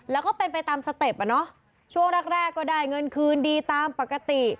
แล้วก็เป็นไปตามสเต็ปช่วงแรกก็ได้เงินคืนดีตามปกติ